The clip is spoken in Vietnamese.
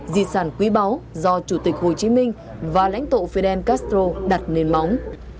di sản quý báu do chủ tịch hồ chí minh và lãnh tụ fidel castro đặt nền móng